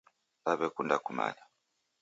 Dawekunda kumanya